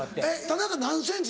田中何ｃｍ？